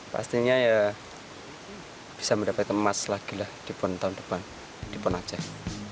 pastinya ya bisa mendapatkan emas lagi lah di pon tahun depan di pon aceh